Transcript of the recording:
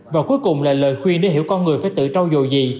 và cuối cùng là lời khuyên để hiểu con người phải tự trao dồ gì